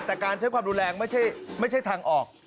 แต่การใช้ความรุนแรงไม่ใช่ทางออก